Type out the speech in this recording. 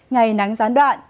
ngày nắng gián đoạn